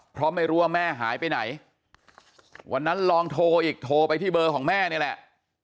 เพราะไม่รู้ว่าแม่หายไปไหนวันนั้นลองโทรอีกโทรไปที่เบอร์ของแม่นี่แหละ